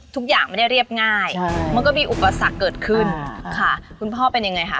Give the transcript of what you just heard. ทุกอย่างไม่ได้เรียบง่ายมันก็มีอุปสรรคเกิดขึ้นค่ะคุณพ่อเป็นยังไงคะ